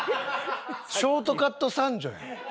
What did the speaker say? ショートカット三女やん。